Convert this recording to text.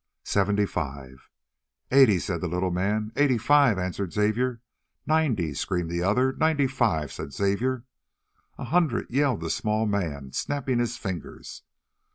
Seventy five." "Eighty," said the little man. "Eighty five," answered Xavier. "Ninety," screamed the other. "Ninety five," said Xavier. "A hundred," yelled the small man, snapping his fingers.